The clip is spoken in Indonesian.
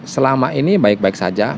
selama ini baik baik saja